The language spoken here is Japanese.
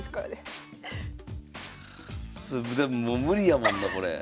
でももう無理やもんなこれ。